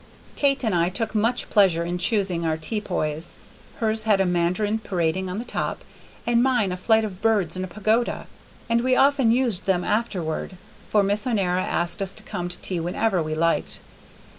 Kate and I took much pleasure in choosing our tea poys; hers had a mandarin parading on the top, and mine a flight of birds and a pagoda; and we often used them afterward, for Miss Honora asked us to come to tea whenever we liked.